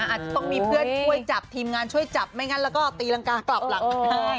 อาจจะต้องมีเพื่อนช่วยจับทีมงานช่วยจับไม่งั้นแล้วก็ตีรังกากลับหลังก็ได้